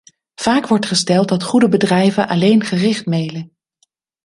Vaak wordt gesteld dat goede bedrijven alleen gericht mailen.